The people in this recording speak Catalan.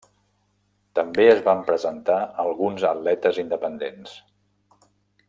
També es van presentar alguns atletes independents.